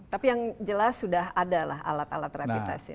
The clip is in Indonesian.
tapi yang jelas sudah ada lah alat alat rapid testnya